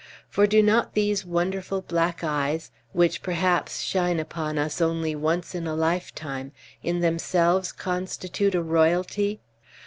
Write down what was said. For do not these wonderful black eyes, which perhaps shine upon us only once in a lifetime, in themselves constitute a royalty?